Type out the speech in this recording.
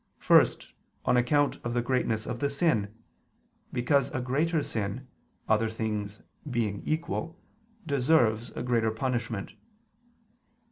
First, on account of the greatness of the sin, because a greater sin, other things being equal, deserves a greater punishment.